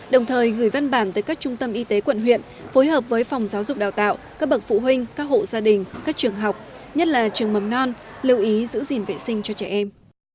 đồng thời gửi văn bản tới các trung tâm y tế quận huyện phối hợp với phòng giáo dục đào tạo các bậc phụ huynh các hộ gia đình các trường học nhất là trường mầm non lưu ý giữ gìn vệ sinh cho trẻ em